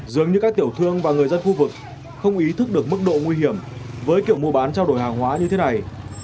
dường như các tiểu thương và người dân khu vực không ý thức được mức độ nguy hiểm với kiểu mua bán trao đổi hàng hóa như thế này